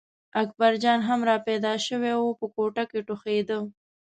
اکبرجان هم را پیدا شوی و په کوټه کې ټوخېده.